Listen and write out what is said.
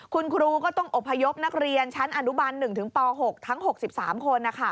คุณครูก็ต้องอบพยพนักเรียนชั้นอนุบัน๑ถึงป๖ทั้ง๖๓คน